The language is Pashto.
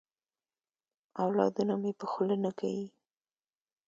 اولادونه مي په خوله نه کیې.